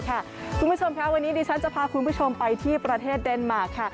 คุณผู้ชมค่ะวันนี้ดิฉันจะพาคุณผู้ชมไปที่ประเทศเดนมาร์ค่ะ